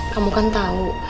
kamu kan tahu